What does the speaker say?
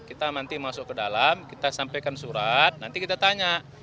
kita nanti masuk ke dalam kita sampaikan surat nanti kita tanya